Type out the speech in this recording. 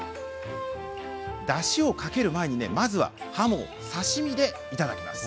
だしをかける前に、まずはハモを刺身でいただきます。